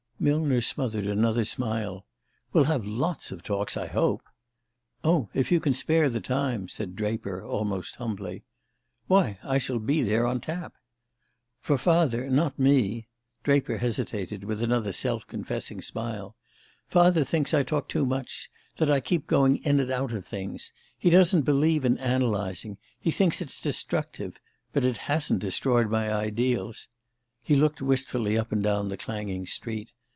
Millner smothered another smile. "We'll have lots of talks, I hope." "Oh, if you can spare the time !" said Draper, almost humbly. "Why, I shall be there on tap!" "For father, not me." Draper hesitated, with another self confessing smile. "Father thinks I talk too much that I keep going in and out of things. He doesn't believe in analyzing: he thinks it's destructive. But it hasn't destroyed my ideals." He looked wistfully up and down the clanging street.